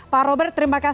pak robert terima kasih